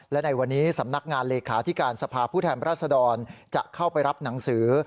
และในวันนี้สำนักงานเลขาธิการสภาพผู้แทนรัศดรจะเข้าไปรับหนังสือ